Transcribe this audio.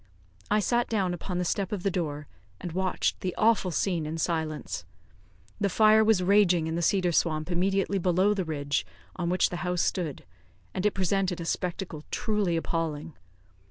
I sat down upon the step of the door, and watched the awful scene in silence. The fire was raging in the cedar swamp immediately below the ridge on which the house stood, and it presented a spectacle truly appalling.